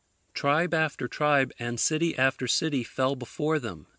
Tribe after tribe, and city after city, fell before them.